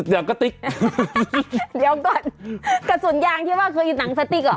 อย่างกระติ๊กเดี๋ยวก่อนกระสุนยางที่ว่าเคยอยู่หนังสติ๊กเหรอ